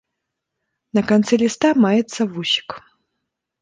На канцы ліста маецца вусік.